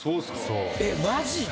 えっマジで？